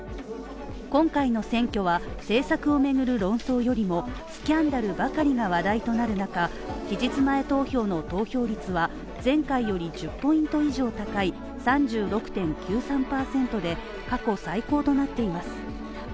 今回の選挙は政策を巡る論争よりもスキャンダルばかりが話題となる中期日前投票の投票率は前回より１０ポイント以上高い３６．９３％で過去最高となっています。